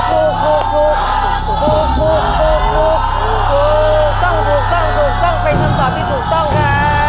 ถูกเป็นคำตอบที่ถูกต้องค่ะ